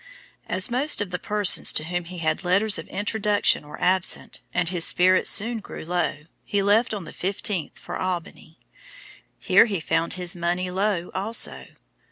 As most of the persons to whom he had letters of introduction were absent, and as his spirits soon grew low, he left on the fifteenth for Albany. Here he found his money low also.